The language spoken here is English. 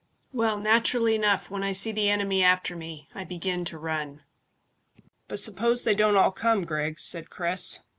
"Well, naturally enough when I see the enemy after me I begin to run." "But suppose they don't all come, Griggs?" said Chris.